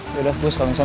yaudah gue sekalian sampe